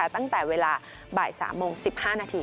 ตั้งแต่เวลาบ่าย๓โมง๑๕นาที